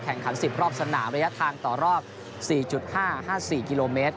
ขัน๑๐รอบสนามระยะทางต่อรอบ๔๕๕๔กิโลเมตร